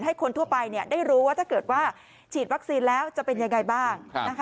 คนทั่วไปได้รู้ว่าถ้าเกิดว่าฉีดวัคซีนแล้วจะเป็นยังไงบ้าง